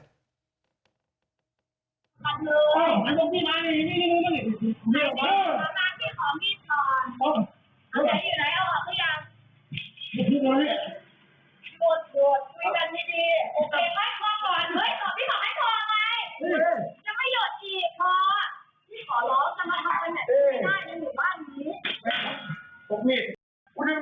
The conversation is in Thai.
ด้วยว่าอะไรจะไม่หยดอีกเพราะพี่ขอร้องกำลังมาทำเป็นแบบครับ